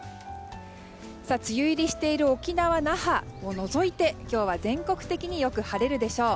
梅雨入りしている沖縄・那覇を除いて今日は全国的によく晴れるでしょう。